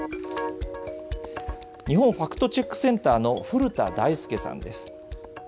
日本ファクトチェックセンターの古田大輔さんです。